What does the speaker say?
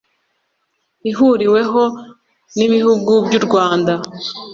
ihuriweho n'ibihugu by'u Rwanda,